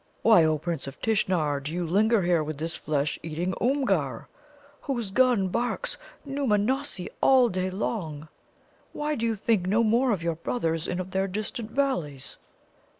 Why, O Prince of Tishnar, do you linger here with this flesh eating Oomgar, whose gun barks Nōōmanossi all day long? Why do you think no more of your brothers and of the distant valleys?"